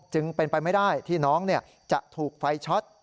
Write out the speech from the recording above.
จึงเป็นไปไม่ได้ที่น้องจะถูกไฟช็อต